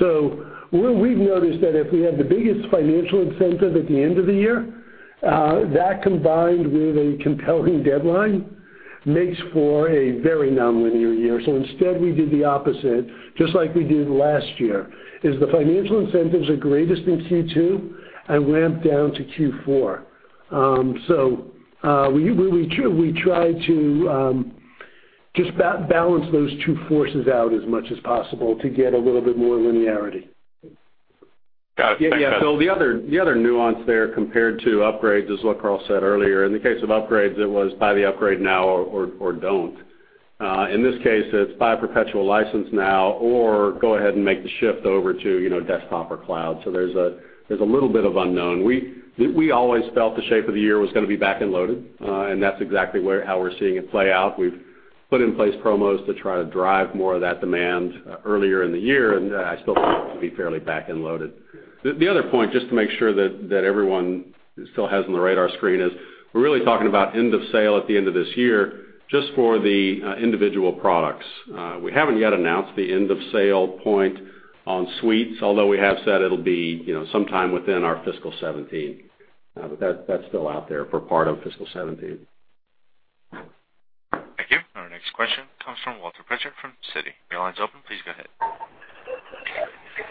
We've noticed that if we have the biggest financial incentive at the end of the year, that combined with a compelling deadline, makes for a very non-linear year. Instead, we did the opposite, just like we did last year, is the financial incentives are greatest in Q2 and ramp down to Q4. We try to just balance those two forces out as much as possible to get a little bit more linearity. Got it. Thanks, Scott. Yeah, Phil, the other nuance there compared to upgrades is what Carl said earlier. In the case of upgrades, it was buy the upgrade now or don't. In this case, it's buy a perpetual license now or go ahead and make the shift over to desktop or cloud. There's a little bit of unknown. We always felt the shape of the year was going to be back-end loaded. That's exactly how we're seeing it play out. We've put in place promos to try to drive more of that demand earlier in the year, and I still think it will be fairly back-end loaded. The other point, just to make sure that everyone still has on the radar screen, is we're really talking about end of sale at the end of this year, just for the individual products. We haven't yet announced the end of sale point on suites, although we have said it'll be sometime within our fiscal 2017. That's still out there for part of fiscal 2017. Thank you. Our next question comes from Walter Pritchard from Citi. Your line's open. Please go ahead.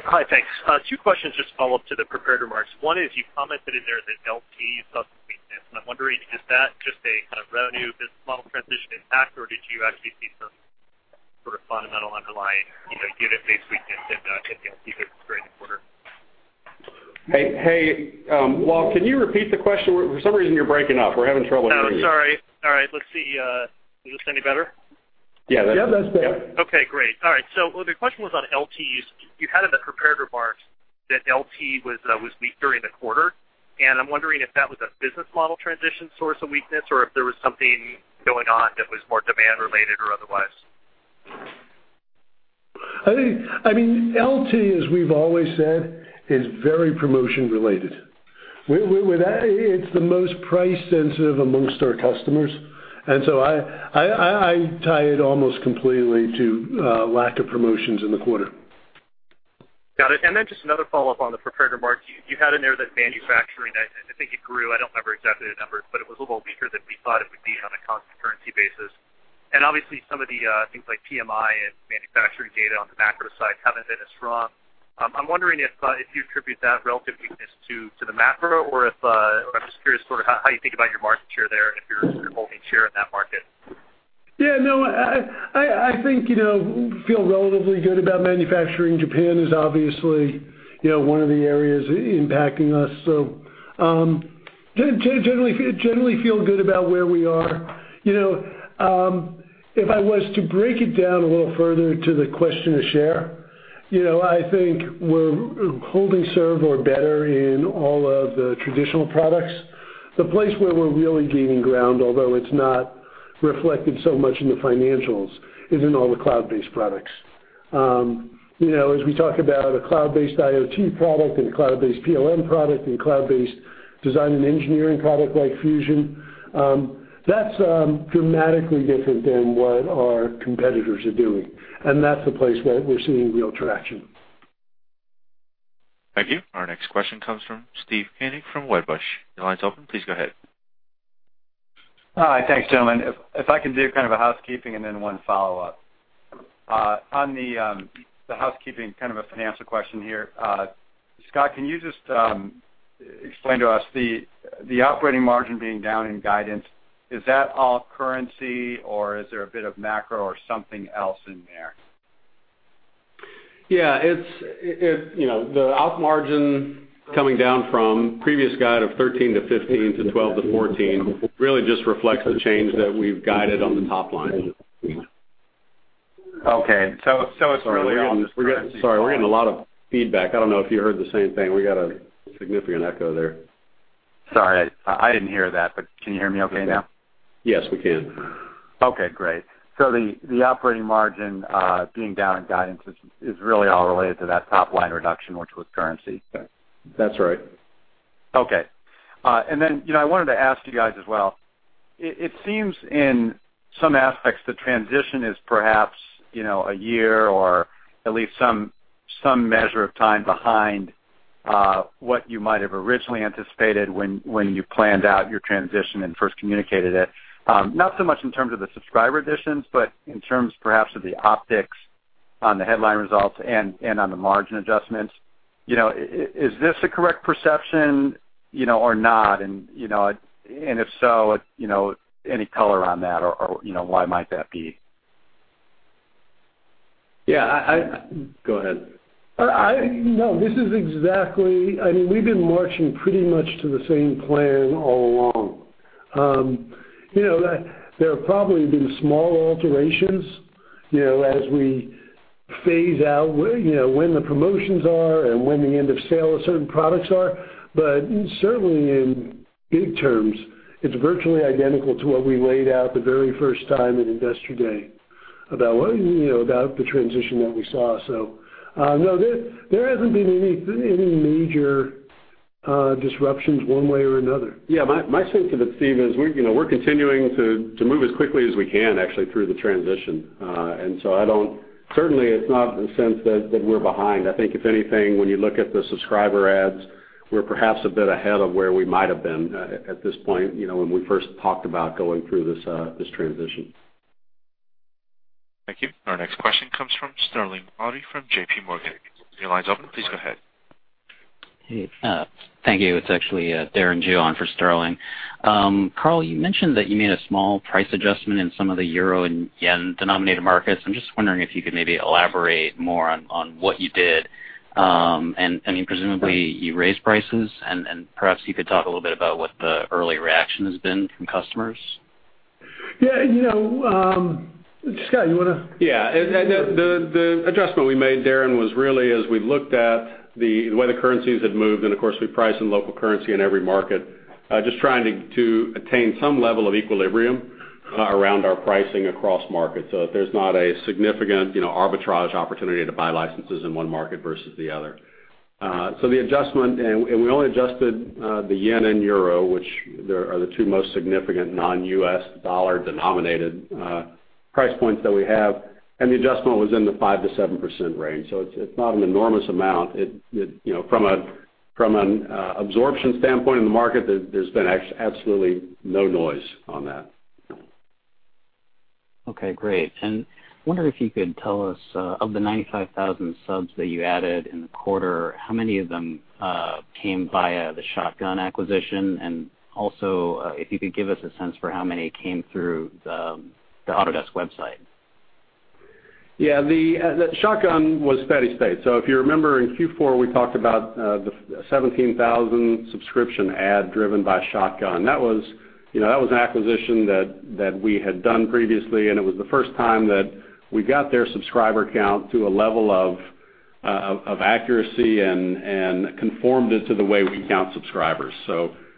Hi. Thanks. Two questions just to follow up to the prepared remarks. One is you commented in there that LT saw some weakness. I'm wondering, is that just a kind of revenue business model transition impact, or did you actually see some sort of fundamental underlying unit-based weakness in the LT during the quarter? Hey, Walt, can you repeat the question? For some reason you're breaking up. We're having trouble hearing you. Oh, sorry. All right. Let's see. Is this any better? Yeah, that's better. Yeah, that's better. Okay, great. All right. The question was on LTs. You had in the prepared remarks that LT was weak during the quarter, and I'm wondering if that was a business model transition source of weakness, or if there was something going on that was more demand related or otherwise. I think, LT, as we've always said, is very promotion related. It's the most price sensitive amongst our customers, and so I tie it almost completely to lack of promotions in the quarter. Got it. Then just another follow-up on the prepared remarks. You had in there that manufacturing, I think it grew. I don't remember exactly the numbers, but it was a little weaker than we thought it would be on a constant currency basis. Obviously some of the things like PMI and manufacturing data on the macro side haven't been as strong. I'm wondering if you attribute that relative weakness to the macro, I'm just curious sort of how you think about your market share there and if you're holding share in that market. Yeah. No, I think we feel relatively good about manufacturing. Japan is obviously one of the areas impacting us. Generally feel good about where we are. If I was to break it down a little further to the question of share, I think we're holding serve or better in all of the traditional products. The place where we're really gaining ground, although it's not reflected so much in the financials, is in all the cloud-based products. As we talk about a cloud-based IoT product and cloud-based PLM product and cloud-based design and engineering product like Fusion, that's dramatically different than what our competitors are doing, and that's the place where we're seeing real traction. Thank you. Our next question comes from Steve Koenig from Wedbush. Your line's open. Please go ahead. Hi. Thanks, gentlemen. If I can do kind of a housekeeping and then one follow-up. On the housekeeping, kind of a financial question here. Scott, can you just explain to us the operating margin being down in guidance, is that all currency, or is there a bit of macro or something else in there? Yeah. The op margin coming down from previous guide of 13-15 to 12-14 really just reflects the change that we've guided on the top line. Okay. It's really all just currency- Sorry, we're getting a lot of feedback. I don't know if you heard the same thing. We got a significant echo there. Sorry, I didn't hear that. Can you hear me okay now? Yes, we can. Okay, great. The operating margin being down in guidance is really all related to that top-line reduction, which was currency. That's right. Okay. I wanted to ask you guys as well. It seems in some aspects, the transition is perhaps a year or at least some measure of time behind what you might have originally anticipated when you planned out your transition and first communicated it. Not so much in terms of the subscriber additions, but in terms perhaps of the optics on the headline results and on the margin adjustments. Is this a correct perception or not? If so, any color on that or why might that be? Yeah. Go ahead. No. I mean, we've been marching pretty much to the same plan all along. There have probably been small alterations as we phase out when the promotions are and when the end of sale of certain products are. Certainly in big terms, it's virtually identical to what we laid out the very first time at Investor Day about the transition that we saw. No, there hasn't been any major disruptions one way or another. Yeah, my sense of it, Steve, is we're continuing to move as quickly as we can, actually, through the transition. Certainly it's not in the sense that we're behind. I think if anything, when you look at the subscriber adds, we're perhaps a bit ahead of where we might've been at this point when we first talked about going through this transition. Thank you. Our next question comes from Sterling Auty from JPMorgan. Your line's open. Please go ahead. Hey, thank you. It's actually Darren Jue for Sterling. Carl, you mentioned that you made a small price adjustment in some of the euro and yen-denominated markets. I'm just wondering if you could maybe elaborate more on what you did. I mean, presumably you raised prices and perhaps you could talk a little bit about what the early reaction has been from customers. Yeah. Scott, you want to- Yeah. The adjustment we made, Darren, was really as we looked at the way the currencies had moved, and of course, we price in local currency in every market, just trying to attain some level of equilibrium around our pricing across markets so that there's not a significant arbitrage opportunity to buy licenses in one market versus the other. The adjustment, we only adjusted the yen and euro, which are the two most significant non-U.S. dollar-denominated price points that we have, and the adjustment was in the 5%-7% range. It's not an enormous amount. From an absorption standpoint in the market, there's been absolutely no noise on that. I wonder if you could tell us, of the 95,000 subs that you added in the quarter, how many of them came via the Shotgun acquisition, and also if you could give us a sense for how many came through the Autodesk website. Yeah. The Shotgun was steady state. If you remember, in Q4 we talked about the 17,000 subscription add driven by Shotgun. That was an acquisition that we had done previously, and it was the first time that we got their subscriber count to a level of accuracy and conformed it to the way we count subscribers.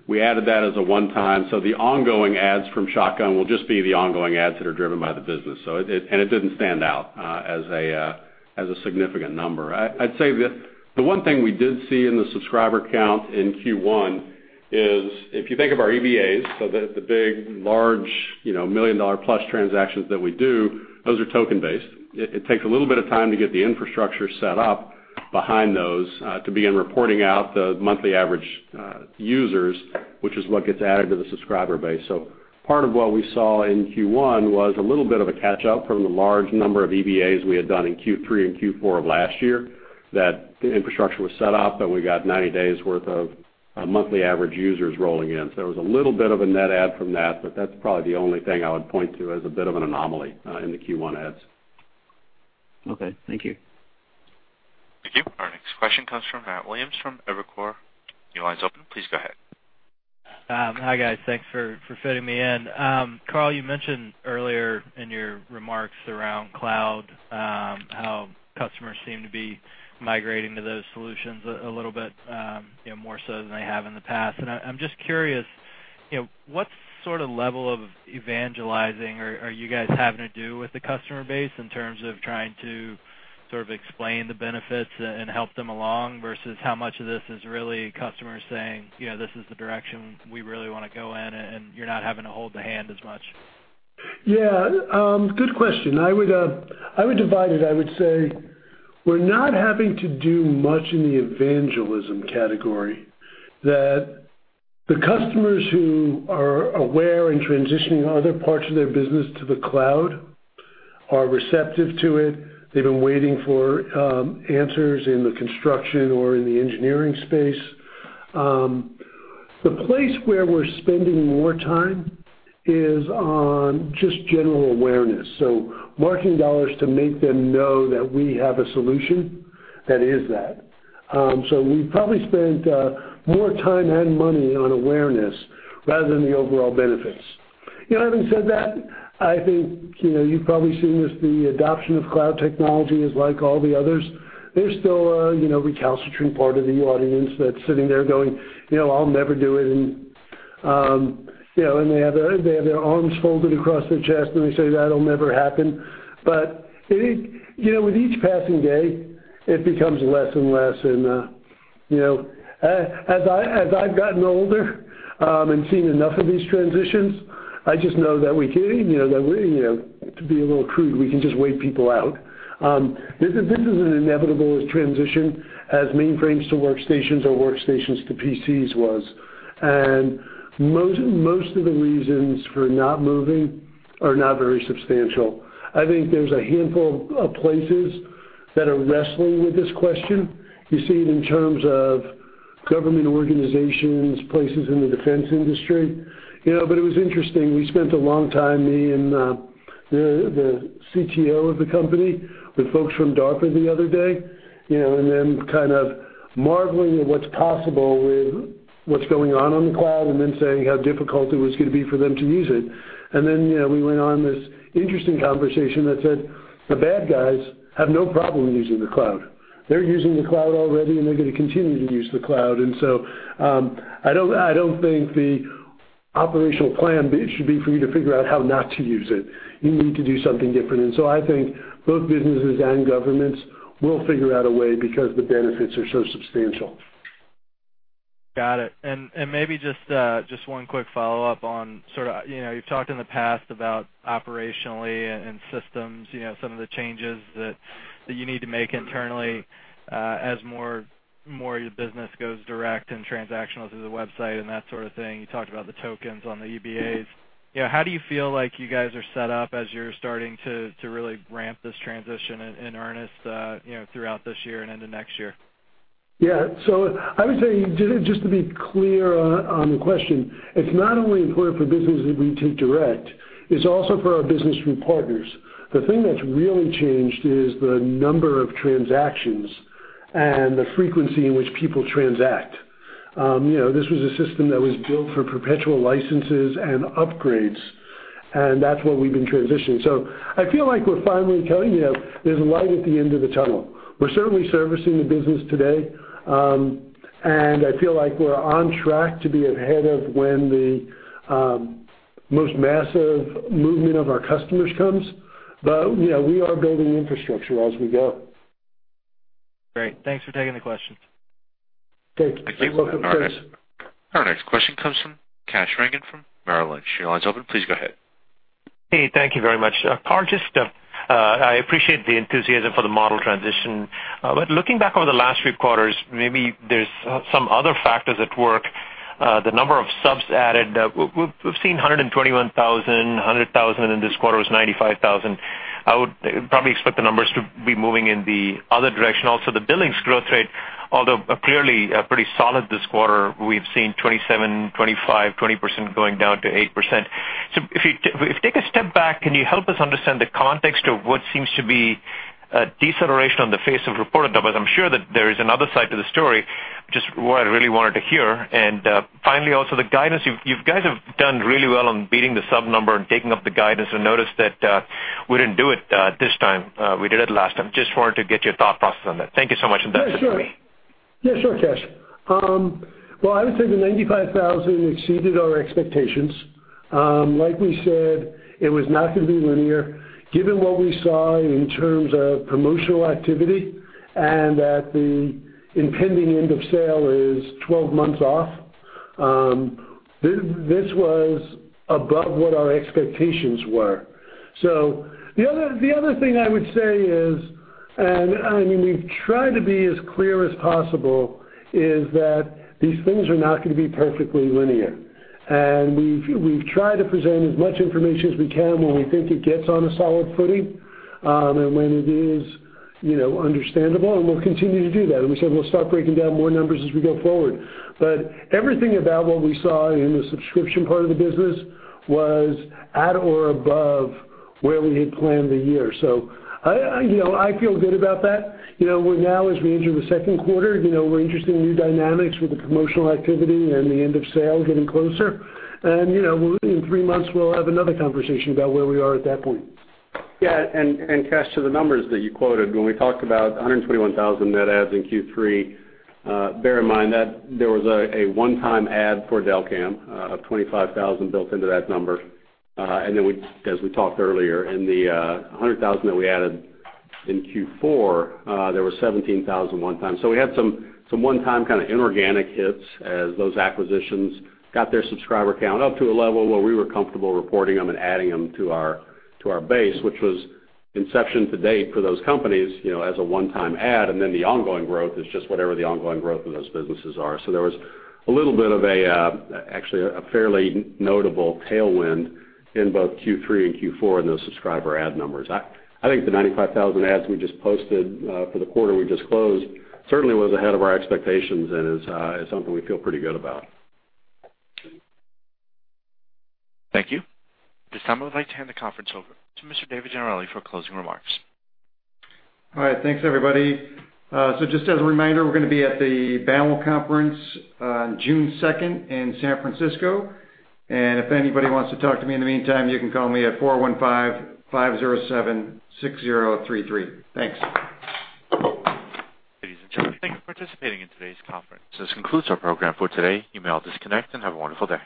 We added that as a one-time. The ongoing adds from Shotgun will just be the ongoing adds that are driven by the business. It didn't stand out as a significant number. I'd say the one thing we did see in the subscriber count in Q1 is, if you think of our EBAs, the big, large, million-dollar-plus transactions that we do, those are token-based. It takes a little bit of time to get the infrastructure set up behind those to begin reporting out the monthly average users, which is what gets added to the subscriber base. Part of what we saw in Q1 was a little bit of a catch-up from the large number of EBAs we had done in Q3 and Q4 of last year that the infrastructure was set up, and we got 90 days worth of monthly average users rolling in. There was a little bit of a net add from that, but that's probably the only thing I would point to as a bit of an anomaly in the Q1 adds. Okay. Thank you. Thank you. Our next question comes from Matt Williams from Evercore. Your line's open. Please go ahead. Hi, guys. Thanks for fitting me in. Carl, you mentioned earlier in your remarks around cloud how customers seem to be migrating to those solutions a little bit more so than they have in the past. I'm just curious, what sort of level of evangelizing are you guys having to do with the customer base in terms of trying to sort of explain the benefits and help them along versus how much of this is really customers saying, "This is the direction we really want to go in," and you're not having to hold the hand as much? Yeah. Good question. I would divide it. I would say we're not having to do much in the evangelism category, that the customers who are aware and transitioning other parts of their business to the cloud are receptive to it. They've been waiting for answers in the construction or in the engineering space. The place where we're spending more time is on just general awareness, so marketing dollars to make them know that we have a solution that is that. We've probably spent more time and money on awareness rather than the overall benefits. Having said that, I think you've probably seen this, the adoption of cloud technology is like all the others. There's still a recalcitrant part of the audience that's sitting there going, "I'll never do it," and they have their arms folded across their chest, and they say, "That'll never happen." With each passing day, it becomes less and less. As I've gotten older and seen enough of these transitions, I just know that to be a little crude, we can just wait people out. This is an inevitable transition as mainframes to workstations or workstations to PCs was, and most of the reasons for not moving are not very substantial. I think there's a handful of places that are wrestling with this question. You see it in terms of government organizations, places in the defense industry. It was interesting. We spent a long time, me and the CTO of the company, with folks from DARPA the other day, kind of marveling at what's possible with what's going on the cloud, saying how difficult it was going to be for them to use it. We went on this interesting conversation that said, the bad guys have no problem using the cloud. They're using the cloud already, and they're going to continue to use the cloud. I don't think the operational plan should be for you to figure out how not to use it. You need to do something different. I think both businesses and governments will figure out a way because the benefits are so substantial. Got it. Maybe just one quick follow-up on, you've talked in the past about operationally and systems, some of the changes that you need to make internally as more of your business goes direct and transactional through the website and that sort of thing. You talked about the tokens on the EBAs. How do you feel like you guys are set up as you're starting to really ramp this transition in earnest throughout this year and into next year? Yeah. I would say, just to be clear on the question, it's not only important for business that we take direct, it's also for our business through partners. The thing that's really changed is the number of transactions and the frequency in which people transact. This was a system that was built for perpetual licenses and upgrades, that's what we've been transitioning. I feel like we're finally coming there. There's light at the end of the tunnel. We're certainly servicing the business today, I feel like we're on track to be ahead of when the most massive movement of our customers comes. We are building the infrastructure as we go. Great. Thanks for taking the question. Thank you. You're welcome. Thank you. Our next question comes from Kash Rangan from Merrill Lynch. Your line's open. Please go ahead. Hey, thank you very much. Carl, I appreciate the enthusiasm for the model transition. Looking back over the last few quarters, maybe there's some other factors at work. The number of subs added, we've seen 121,000, 100,000, and this quarter was 95,000. I would probably expect the numbers to be moving in the other direction. The billings growth rate, although clearly pretty solid this quarter, we've seen 27%, 25%, 20% going down to 8%. If you take a step back, can you help us understand the context of what seems to be a deceleration on the face of reported numbers? I'm sure that there is another side to the story, just what I really wanted to hear. Finally, also the guidance. You guys have done really well on beating the sub number and taking up the guidance. I noticed that we didn't do it this time. We did it last time. Just wanted to get your thought process on that. Thank you so much, and that's it for me. Yeah, sure. Yeah, sure, Kash. Well, I would say the 95,000 exceeded our expectations. Like we said, it was not going to be linear. Given what we saw in terms of promotional activity and that the impending end of sale is 12 months off, this was above what our expectations were. The other thing I would say is, and we've tried to be as clear as possible, is that these things are not going to be perfectly linear. We've tried to present as much information as we can when we think it gets on a solid footing, when it is understandable, and we'll continue to do that. We said we'll start breaking down more numbers as we go forward. Everything about what we saw in the subscription part of the business was at or above where we had planned the year. I feel good about that. Now, as we enter the second quarter, we're interested in new dynamics with the promotional activity and the end of sale getting closer. In three months, we'll have another conversation about where we are at that point. Kash, to the numbers that you quoted, when we talked about 121,000 net adds in Q3, bear in mind that there was a one-time add for Delcam of 25,000 built into that number. As we talked earlier, in the 100,000 that we added in Q4, there was 17,000 one time. We had some one-time kind of inorganic hits as those acquisitions got their subscriber count up to a level where we were comfortable reporting them and adding them to our base, which was inception to date for those companies as a one-time add, and then the ongoing growth is just whatever the ongoing growth of those businesses are. There was a little bit of a, actually, a fairly notable tailwind in both Q3 and Q4 in those subscriber add numbers. I think the 95,000 adds we just posted for the quarter we just closed certainly was ahead of our expectations and is something we feel pretty good about. Thank you. At this time, I would like to hand the conference over to Mr. David Gennarelli for closing remarks. All right. Thanks, everybody. Just as a reminder, we're going to be at the BoA Conference on June 2nd in San Francisco. If anybody wants to talk to me in the meantime, you can call me at 415-507-6033. Thanks. Ladies and gentlemen, thank you for participating in today's conference. This concludes our program for today. You may all disconnect, and have a wonderful day.